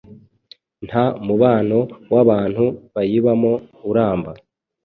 Nta mubano w’abantu bayibamo uramba